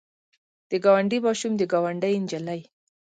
د ګاونډي ماشوم د ګاونډۍ نجلۍ.